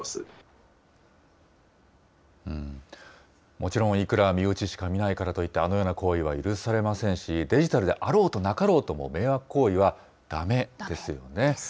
もちろん、いくら身内しか見ないからといって、あのような行為は許されませんし、デジタルであろうとなかろうと、もう迷惑行為はだめですよね。